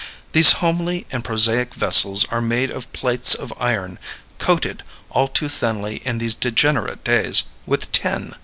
These homely and prosaic vessels are made of plates of iron, coated, all too thinly in these degenerate days, with tin.